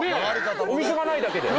お店がないだけで。